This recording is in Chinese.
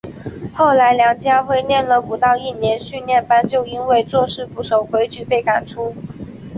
后来梁家辉念了不到一年训练班就因为做事不守规矩被赶出。